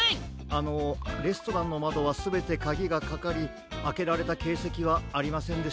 あのレストランのまどはすべてカギがかかりあけられたけいせきはありませんでした。